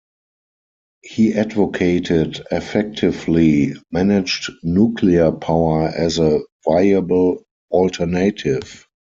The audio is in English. He advocated effectively managed nuclear power as a viable alternative.